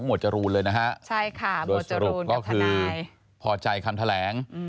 หมวดจรูนเลยนะฮะโดยสรุปก็คือพอใจคำแถลง